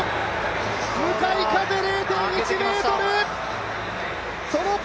向かい風０．１メートル。